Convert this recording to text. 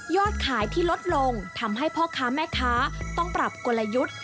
ขายที่ลดลงทำให้พ่อค้าแม่ค้าต้องปรับกลยุทธ์